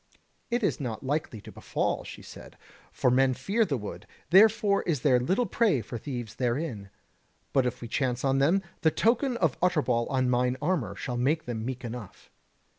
"It is not like to befall," she said, "for men fear the wood, therefore is there little prey for thieves therein: but if we chance on them, the token of Utterbol on mine armour shall make them meek enough."